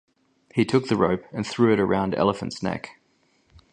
He took the rope and threw it around Elephant's neck.